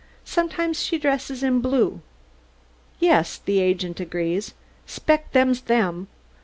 Sometimes she dresses in blue?" "Yes," the agent agreed. "'Spect them's them.